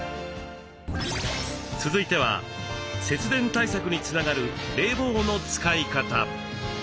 続いては節電対策につながる冷房の使い方。